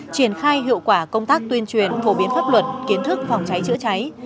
triển khai hiệu quả công tác tuyên truyền phổ biến pháp luật kiến thức phòng cháy chữa cháy